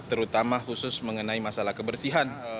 terutama khusus mengenai masalah kebersihan